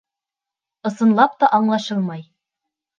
Ысынлап та аңлашылмай.